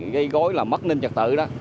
gây gối là mất ninh trật tự